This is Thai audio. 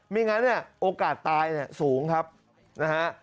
งั้นเนี่ยโอกาสตายเนี่ยสูงครับนะฮะ